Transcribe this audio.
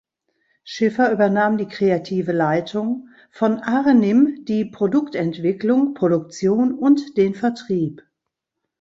Schiffer übernahm die kreative Leitung, von Arnim die Produktentwicklung, Produktion und den Vertrieb.